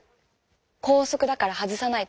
校則だから外さないと。